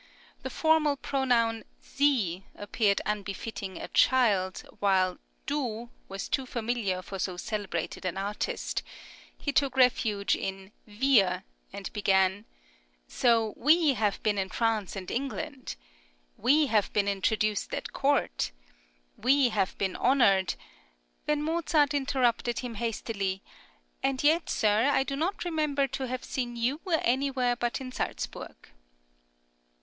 The formal pronoun Sie appeared unbefitting a child, while Du was too familiar for so celebrated an artist; he took refuge in Wir, and began: "So we have been in France and England" "We have been introduced at court" "We have been honoured" when Mozart interrupted him hastily: "And yet, sir, I do not remember to have seen you anywhere but in Salzburg."